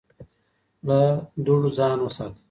له دوړو ځان وساته